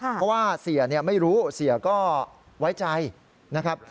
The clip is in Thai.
เพราะว่าเสียไม่รู้เสียก็ไว้ใจนะครับ